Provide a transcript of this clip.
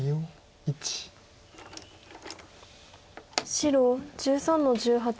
白１３の十八。